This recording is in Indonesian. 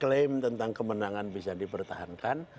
klaim tentang kemenangan bisa dipertahankan